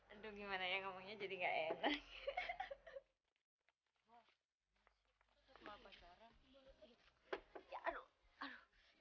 aduh gimana ya ngomongnya jadi gak enak